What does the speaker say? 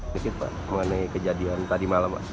bagaimana kejadian tadi malam